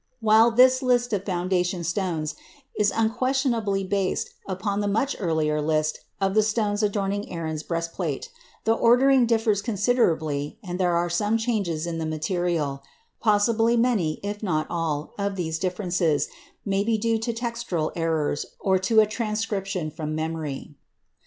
While this list of foundation stones is unquestionably based upon the much earlier list of the stones adorning Aaron's breastplate, the ordering differs considerably and there are some changes in the material; possibly many, if not all, of these differences may be due to textual errors or to a transcription from memory.